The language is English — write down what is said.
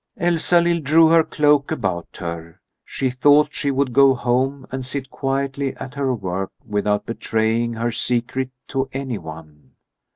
Elsalill drew her cloak about her. She thought she would go home and sit quietly at her work without betraying her secret to any one.